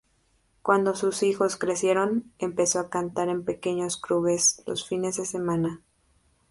Cuando sus hijos crecieron empezó a cantar en pequeños clubes los fines de semana.